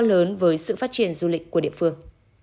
lớn với sự phát triển du lịch của địa phương